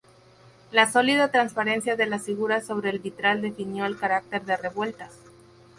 La sólida transparencia de las figuras sobre el vitral definió el carácter de Revueltas.